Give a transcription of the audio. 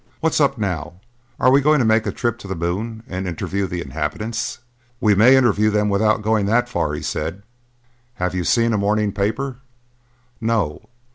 "What's up now? Are we going to make a trip to the moon and interview the inhabitants?" "We may interview them without going that far," he said. "Have you seen a morning paper?" "No."